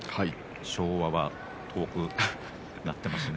昭和は遠くなっていますね。